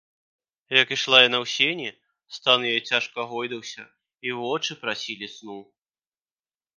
Як ішла яна ў сені, стан яе цяжка гойдаўся, і вочы прасілі сну.